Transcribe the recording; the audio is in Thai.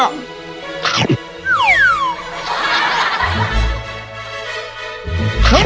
พักอร่อย